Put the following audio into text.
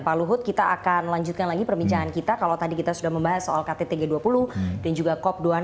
pak luhut kita akan lanjutkan lagi perbincangan kita kalau tadi kita sudah membahas soal kttg dua puluh dan juga cop dua puluh enam